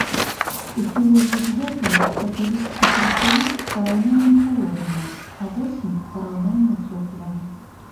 У сувязі з гэтым сакавік і красавік параўнальна халодныя, а восень параўнальна цёплая.